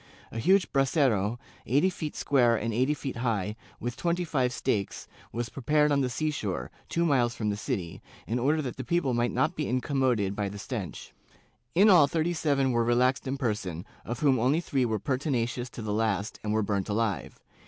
A huge brasero, eighty feet square and eight feet high, with twenty five stakes, was prepared on the sea shore, two miles from the city, in order that the people might not be incommoded by the stench. In all thirty seven were relaxed in person, of whom only three were pertinacious to the last and were burnt alive.